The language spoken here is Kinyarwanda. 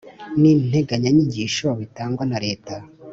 n integanyanyigisho bitangwa na Leta